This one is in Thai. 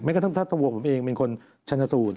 ไม่ก็ถ้าตัวผมเองเป็นคนชันสูตร